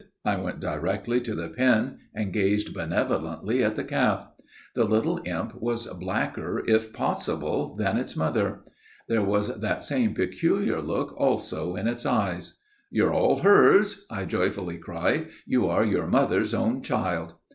I went directly to the pen, and gazed benevolently at the calf. The little imp was blacker, if possible, than its mother. There was that same peculiar look also in its eyes. 'You're all hers!' I joyfully cried, 'you are your mother's own child!'